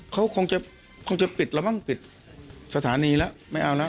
เขาคงจะคงจะปิดแล้วมั้งปิดสถานีแล้วไม่เอาแล้ว